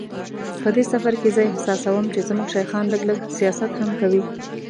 په دې سفر کې زه احساسوم چې زموږ شیخان لږ لږ سیاست هم کوي.